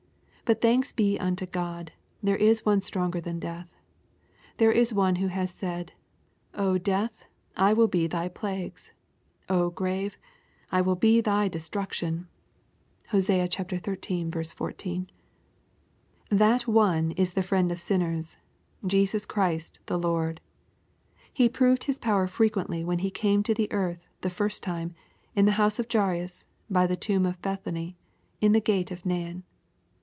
But thanks be unto God, there is one stronger than death. There is one who has said, '^ death I will be thy plagues : grave I will be thy destruction 1" (Hosea xiii. 14.) That One is the Friend of sinners, Christ Jesus the Lord. He proved His power frequently when He came to the earth the first time, in the house of Jairus, by the tomb of Beth any, in the gate of Nain.